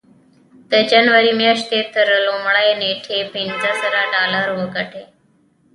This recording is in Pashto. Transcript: د جنوري مياشتې تر لومړۍ نېټې پينځه زره ډالر وګټئ.